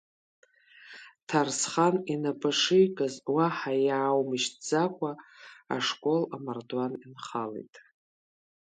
Ҭарсхан инапы шикыз, уаҳа иааумышьҭӡакәа, ашкол амардуан инхалеит.